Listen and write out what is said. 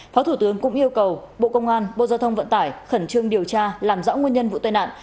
phó thủ tướng cũng yêu cầu bộ công an bộ giao thông vận tải khẩn trương điều tra làm rõ nguyên nhân vụ tai nạn